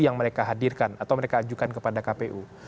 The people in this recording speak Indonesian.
yang mereka hadirkan atau mereka ajukan kepada kpu